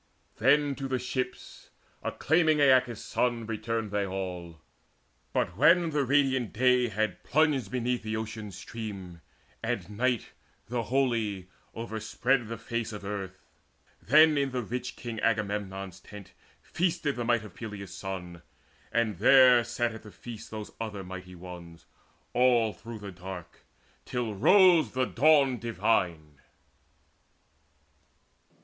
Then to the ships, acclaiming Aeacus' son, Returned they all. But when the radiant day Had plunged beneath the Ocean stream, and night, The holy, overspread the face of earth, Then in the rich king Agamemnon's tent Feasted the might of Peleus' son, and there Sat at the feast those other mighty ones All through the dark, till rose the dawn divine.